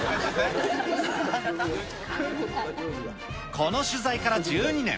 この取材から１２年。